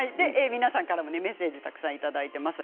皆さんからメッセージたくさんいただいています。